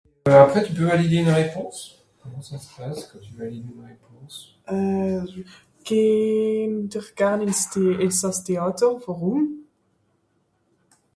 [Français] Euh... gehn'r garn ìn s'Té... Elsass Téàter, worùm ?